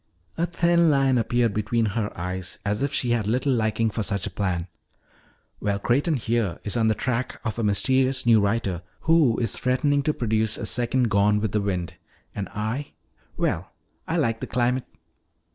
a thin line appeared between her eyes as if she had little liking for such a plan. "Well, Creighton is here on the track of a mysterious new writer who is threatening to produce a second Gone with the Wind. And I well, I like the climate."